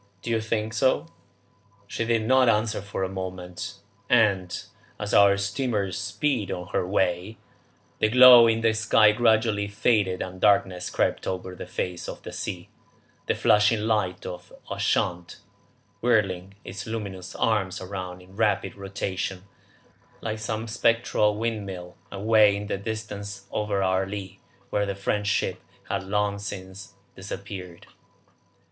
Don't you think so?" She did not answer for a moment, and, as our steamer speeded on her way, the glow in the sky gradually faded and darkness crept over the face of the sea, the flashing light of Ushant whirling its luminous arms round in rapid rotation, like some spectral windmill, away in the distance over our lee, where the French ship had long since disappeared.